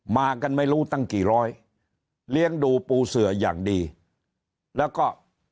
มากันไม่รู้ตั้งกี่ร้อยเลี้ยงดูปูเสืออย่างดีแล้วก็